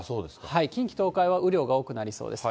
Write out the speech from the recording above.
近畿、東海は雨量が多くなりそうです。